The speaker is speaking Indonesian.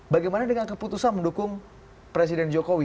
bagaimana dengan keputusan mendukung presiden jokowi